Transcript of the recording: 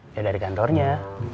ya dari kantornya